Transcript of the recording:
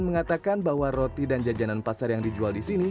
mengatakan bahwa roti dan jajanan pasar yang dijual di sini